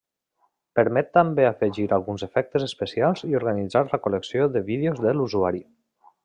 Permet també afegir alguns efectes especials i organitzar la col·lecció de vídeos de l'usuari.